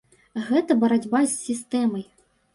Гэта барацьба з сістэмай.